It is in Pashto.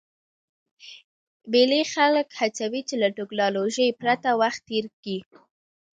مېلې خلک هڅوي، چي له ټکنالوژۍ پرته وخت تېر کي.